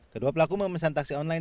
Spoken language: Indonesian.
kedua pelaku memesan taksi online